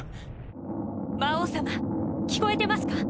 魔王さま聞こえてますか？